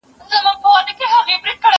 خپل قوم ته د يوسف عليه السلام قصه وکړه.